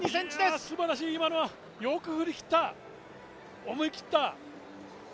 すばらしい、今のはよく振り切った、思い切った。